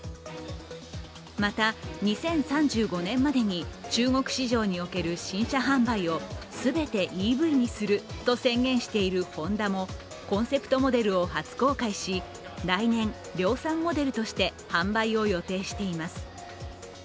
また、２０３５年までに中国市場における新車販売を全てＥＶにすると宣言しているホンダもコンセプトモデルを初公開し、来年、量産モデルとして販売を予定しています。